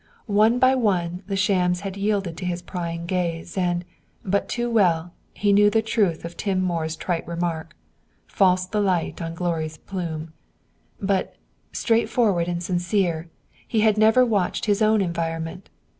One by one the shams had yielded to his prying gaze, and, but too well, he knew the truth of Tom Moore's trite remark, "False the light on glory's plume!" But, straightforward and sincere, he had never watched his own environment.